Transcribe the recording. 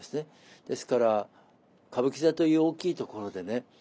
ですから歌舞伎座という大きいところでね